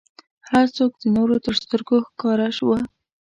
هر څوک د نورو تر سترګو ښکاره و.